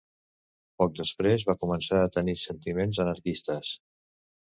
Poc després, va començar a tenir sentiments anarquistes.